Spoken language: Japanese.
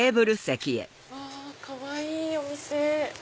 うわかわいいお店。